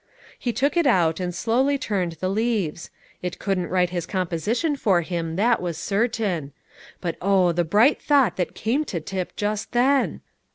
He took it out, and slowly turned the leaves; it couldn't write his composition for him, that was certain. But oh, the bright thought that came to Tip just then!